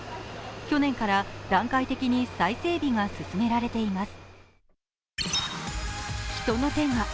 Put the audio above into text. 去年から段階的に再整備が進められています。